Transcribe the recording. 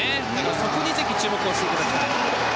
そこにぜひ注目していただきたい。